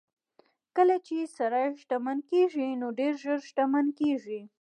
کله چې سړی شتمن کېږي نو ډېر ژر شتمن کېږي.